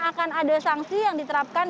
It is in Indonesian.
akan ada sanksi yang diterapkan